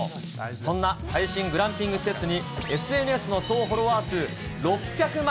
そんな最新グランピング施設に、ＳＮＳの総フォロワー数６００万